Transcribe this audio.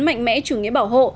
mạnh mẽ chủ nghĩa bảo hộ